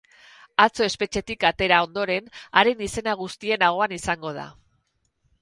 Atzo espetxetik atera ondoren, haren izena guztien ahoan izango da.